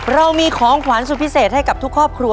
เรามีของขวัญสุดพิเศษให้กับทุกครอบครัว